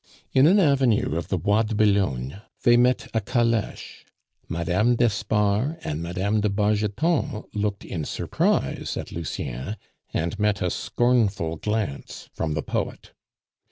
In an avenue of the Bois de Boulogne they met a caleche; Mme. d'Espard and Mme. de Bargeton looked in surprise at Lucien, and met a scornful glance from the poet.